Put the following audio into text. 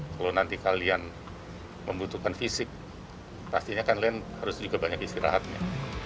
kalau nanti kalian membutuhkan fisik pastinya kalian harus juga banyak istirahatnya